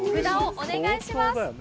札をお願いします